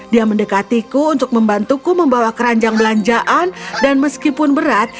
dia mendekatiku untuk membantuku membawa keranjang belanjaan dan meskipun berat